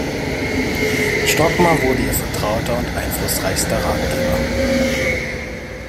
Stockmar wurde ihr Vertrauter und einflussreichster Ratgeber.